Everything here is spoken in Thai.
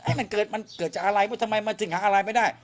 มันเกิดมันเกิดจากอะไรทำไมมันจึงหาอะไรไม่ได้